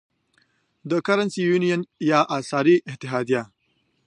دا Currency Union یا اسعاري اتحادیه ده.